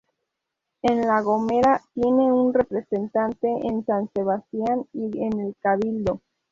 En La Gomera tiene un representante en San Sebastián, y en el Cabildo.